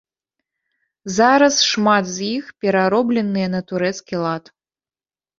Зараз шмат з іх пераробленыя на турэцкі лад.